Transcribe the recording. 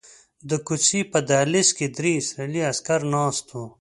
د کوڅې په دهلیز کې درې اسرائیلي عسکر ناست وو.